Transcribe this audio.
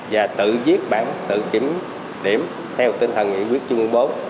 và tự viết bản tự kiểm điểm theo tinh thần nghị quyết chung nguyên bốn